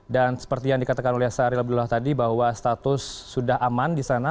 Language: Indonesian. dan seperti yang dikatakan oleh sahril abdullah tadi bahwa status sudah aman di sana